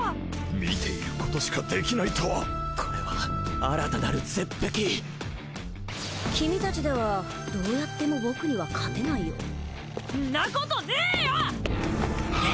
見ていることしかできないとはこれは新たなるゼッペキキミたちではどうやっても僕には勝てないよんなことねーよ！